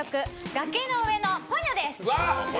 「崖の上のポニョ」です。